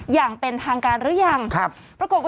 อย่างเป็นทางการหรือยัง